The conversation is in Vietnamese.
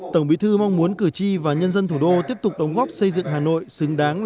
tổng bí thư mong muốn cử tri và nhân dân thủ đô tiếp tục đóng góp xây dựng hà nội xứng đáng